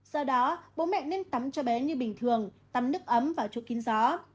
do đó bố mẹ nên tắm cho bé như bình thường tắm nước ấm và chỗ kín gió